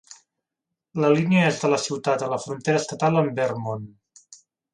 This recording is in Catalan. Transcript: La línia est de la ciutat a la frontera estatal amb Vermont.